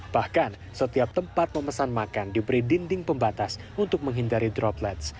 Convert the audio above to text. bahkan setiap tempat memesan makan diberi dinding pembatas untuk menghindari droplets